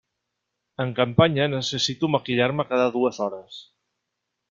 En campanya necessito maquillar-me cada dues hores.